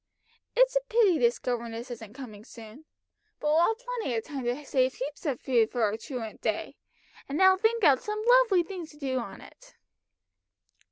It's a pity this governess isn't coming soon; but we'll have plenty of time to save heaps of food for our truant day, and I'll think out some lovely things to do on it."